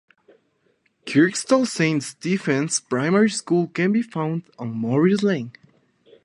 Kirkstall Saint Stephens' Primary School can be found on Morris Lane.